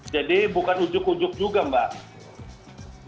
jadi bukan ujuk ujuk juga mbak